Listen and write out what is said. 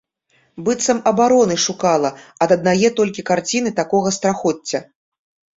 Быццам абароны шукала ад аднае толькі карціны такога страхоцця.